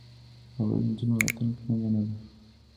هغوی د نجونو راتلونکې نه منله.